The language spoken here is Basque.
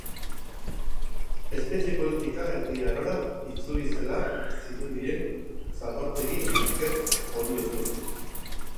Espetxe politika Erdi Arora itzuli zela zirudien satortegi anker horiekin.